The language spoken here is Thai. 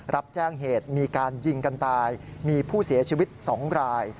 รับแจ้งเหตุมีการยิงกันตายมีผู้เสียชีวิต๒ราย